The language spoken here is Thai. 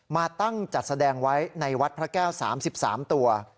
มาตั้งจัดแสดงไว้ในวัดพระแก้ว๓๓ตัว